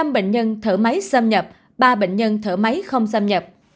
năm bệnh nhân thở máy xâm nhập ba bệnh nhân thở máy không xâm nhập